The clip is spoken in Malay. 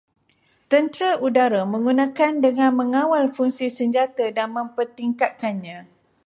Tentera udara menggunakan dengan mengawal fungsi senjata dan mempertingkatkannya